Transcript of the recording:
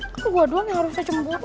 kan gue doang yang harusnya cemburu